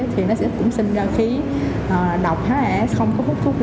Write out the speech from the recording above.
thì nó sẽ cũng sinh ra khí độc h hai s không có phúc phúc